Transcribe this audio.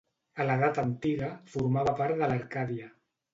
A l'edat antiga, formava part de l'Arcàdia.